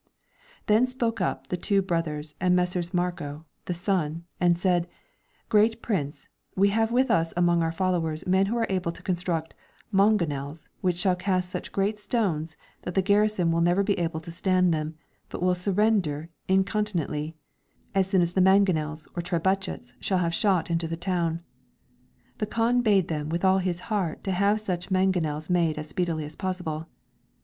Then spoke up the two brothers and Messer Marco the son, and said ;" Great Prince, we have with us among our followers men who are able to construct mangonels which shall cast such great stones that the garrison will never be able to stand them, but will surrender inconti nently, as soon as the mangonels or trebuchets shall have shot into the town." ' The Kaan bade them with all his heart have such man gonels made as speedily as possible.